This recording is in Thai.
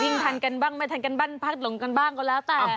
ทันกันบ้างไม่ทันกันบ้านพักหลงกันบ้างก็แล้วแต่